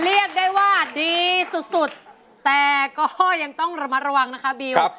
เรียกได้ว่าดีสุดแต่ก็ยังต้องระมัดระวังนะคะบิว